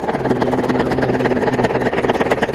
আমার এখানে থাকাটা সম্ভবত ঠিক হচ্ছে না।